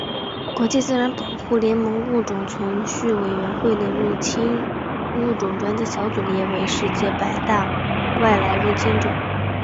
国际自然保护联盟物种存续委员会的入侵物种专家小组列为世界百大外来入侵种。